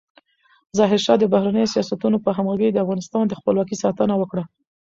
ظاهرشاه د بهرنیو سیاستونو په همغږۍ د افغانستان د خپلواکۍ ساتنه وکړه.